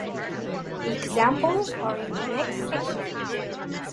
Examples are in the next section.